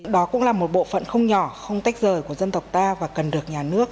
đó cũng là một bộ phận không nhỏ không tách rời của dân tộc ta và cần được nhà nước